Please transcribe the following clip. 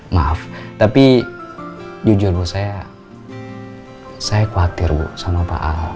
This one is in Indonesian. maaf tapi jujur buat saya saya khawatir bu sama pak